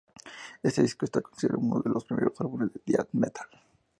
Este disco está considerado uno de los primeros álbumes del death metal.